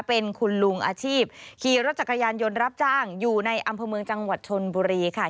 เป็นคุณลุงอาชีพขี่รถจักรยานยนต์รับจ้างอยู่ในอำเภอเมืองจังหวัดชนบุรีค่ะ